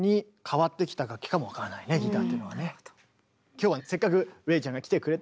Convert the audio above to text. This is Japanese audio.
今日はせっかくＲｅｉちゃんが来てくれたし